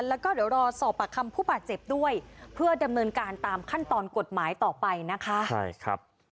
แล้วก็เดี๋ยวรอสอบปากคำผู้บาดเจ็บด้วยเพื่อดำเนินการตามขั้นตอนกฎหมายต่อไปนะคะใช่ครับ